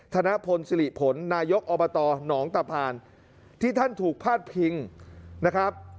ธนพลศิริผลนายกอบตหนองตะพานที่ท่านถูกพาดพิงนะครับ